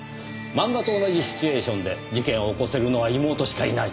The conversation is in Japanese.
漫画と同じシチュエーションで事件を起こせるのは妹しかいない。